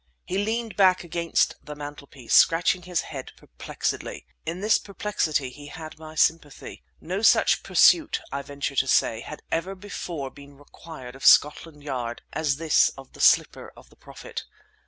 He leaned back against the mantelpiece, scratching his head perplexedly. In this perplexity he had my sympathy. No such pursuit, I venture to say, had ever before been required of Scotland Yard as this of the slipper of the Prophet.